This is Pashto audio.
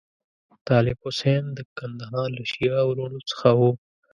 طالب حسین د کندهار له شیعه وروڼو څخه وو.